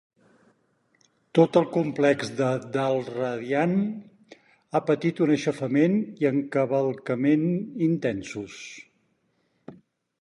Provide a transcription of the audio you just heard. Tot el complex de Dalradian ha patit un aixafament i encavalcament intensos.